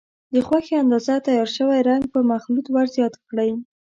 د خوښې اندازه تیار شوی رنګ په مخلوط ور زیات کړئ.